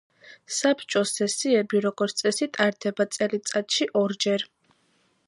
საბჭოს სესიები, როგორც წესი, ტარდება წელიწადში ორჯერ.